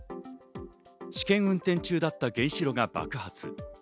試験運転中だった原子炉が爆発。